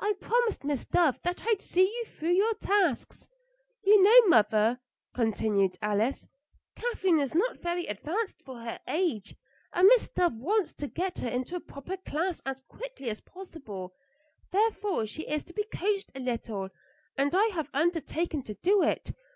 I promised Miss Dove that I'd see you through your tasks. You know, mother," continued Alice, "Kathleen is not very advanced for her age, and Miss Dove wants to get her into a proper class as quickly as possible; therefore she is to be coached a little, and I have undertaken to do it.